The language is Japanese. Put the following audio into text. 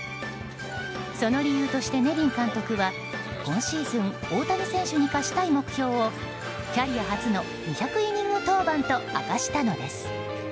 その理由として、ネビン監督は今シーズン大谷選手に課したい目標をキャリア初の２００イニング登板と明かしたのです。